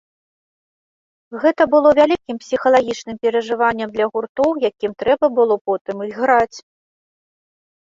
Гэта было вялікім псіхалагічным перажываннем для гуртоў, якім трэба было потым іграць.